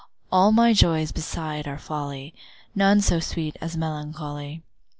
All my joys besides are folly, None so sweet as melancholy.